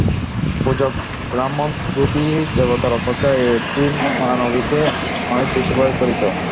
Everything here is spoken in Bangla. পূজক ব্রাহ্মণ দুটি দেবতার অপেক্ষা এই একটি মানবীকে অনেক বেশি ভয় করিত।